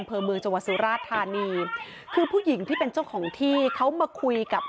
อำเภอเมืองจังหวัดสุราธานีคือผู้หญิงที่เป็นเจ้าของที่เขามาคุยกับ